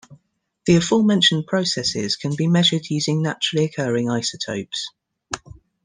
The aforementioned processes can be measured using naturally occurring isotopes.